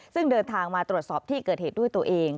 ซึ่งเดินทางมาตรวจสอบที่เกิดเหตุด้วยตัวเอง